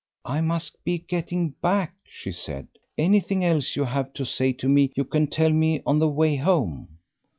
"I must be getting back," she said; "anything else you have to say to me you can tell me on the way home."